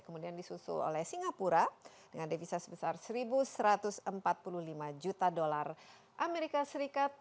kemudian disusul oleh singapura dengan devisa sebesar satu satu ratus empat puluh lima juta dolar amerika serikat